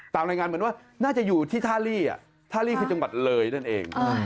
ตามรายงานเหมือนว่าน่าจะอยู่ที่ท่าลี่ท่าลี่คือจังหวัดเลยนั่นเอง